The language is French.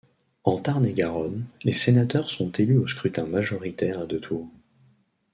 En Tarn-et-Garonne, les sénateurs sont élus au scrutin majoritaire à deux tours.